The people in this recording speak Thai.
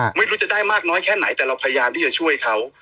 ไม่รู้จะได้มากน้อยแค่ไหนแต่เราพยายามที่จะช่วยเขา